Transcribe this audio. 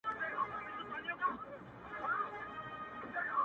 چي بیا به څه ډول حالت وي، د ملنگ؟